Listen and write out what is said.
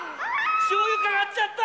しょうゆかかっちゃった！